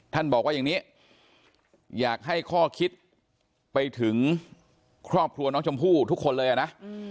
บอกว่าอย่างนี้อยากให้ข้อคิดไปถึงครอบครัวน้องชมพู่ทุกคนเลยนะ